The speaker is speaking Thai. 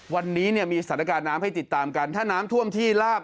วันนี้เนี่ยมีสถานการณ์น้ำให้ติดตามกันถ้าน้ำท่วมที่ลาบ